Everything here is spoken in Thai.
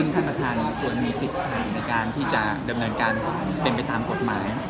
ท่านประธานนี้ควรมีสิทธุ์ที่จะดำเนินการตาเป็นไปตามกฎหมาย